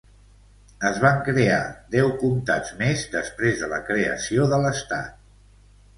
Es van crear deu comtats més després de la creació de l'estat.